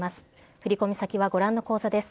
振り込み先はご覧の口座です。